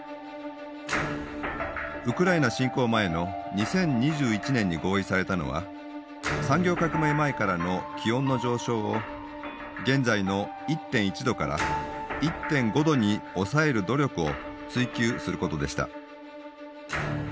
ウクライナ侵攻前の２０２１年に合意されたのは産業革命前からの気温の上昇を現在の１．１℃から１．５℃に抑える努力を追求することでした。